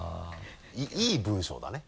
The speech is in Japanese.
いい文章だね。